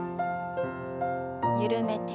緩めて。